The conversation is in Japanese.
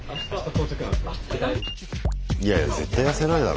いやいや絶対痩せないだろ。